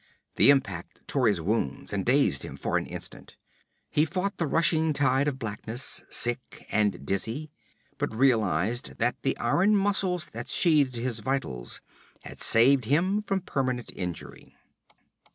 The impact tore his wounds and dazed him for an instant. He fought the rushing tide of blackness, sick and dizzy, but realized that the iron muscles that sheathed his vitals had saved him from permanent injury.